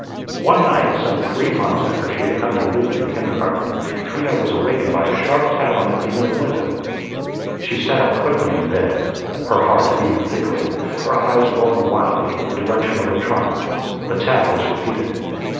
One night, some three months after she had come to live at the kindergarten, Trina was awakened by a sharp tap on the pane of the window. She sat up quickly in bed, her heart beating thickly, her eyes rolling wildly in the direction of her trunk. The tap was repeated.